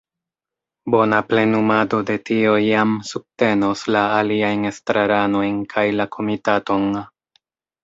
Bona plenumado de tio jam subtenos la aliajn estraranojn kaj la komitaton.